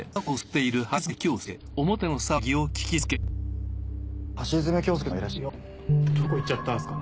いやどこ行っちゃったんすかね。